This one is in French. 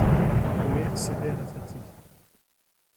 Omer cédait à la fatigue.